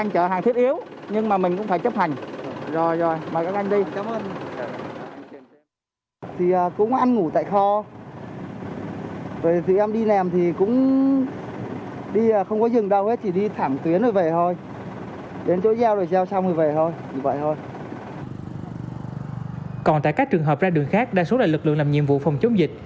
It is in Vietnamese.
còn tại các trường hợp ra đường khác đa số là lực lượng làm nhiệm vụ phòng chống dịch